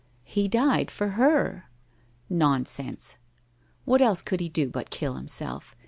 '' He died for her.' 'Nonsense! What else could he do but kill himself?